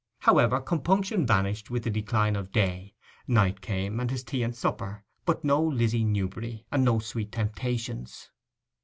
However, compunction vanished with the decline of day. Night came, and his tea and supper; but no Lizzy Newberry, and no sweet temptations.